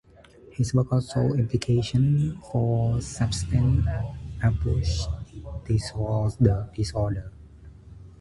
His work also has implications for substance abuse disorders.